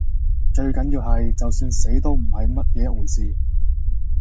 最緊要係，就算死都唔係乜嘢一回事。